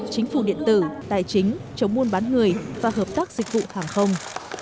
chính phủ điện tử tài chính chống buôn bán người và hợp tác dịch vụ hàng không